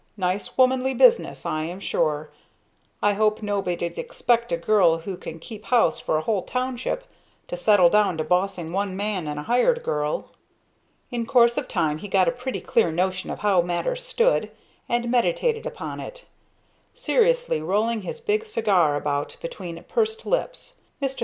Nice, womanly business, I am sure. I hope nobody'd expect a girl who can keep house for a whole township to settle down to bossing one man and a hired girl." In course of time he got a pretty clear notion of how matters stood, and meditated upon it, seriously rolling his big cigar about between pursed lips. Mr.